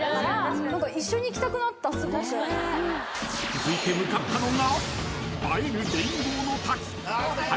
［続いて向かったのが］